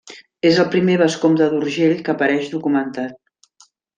És el primer vescomte d'Urgell que apareix documentat.